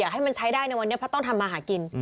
ให้มันใช้ได้ในวันนี้เพราะต้องทำมาหากิน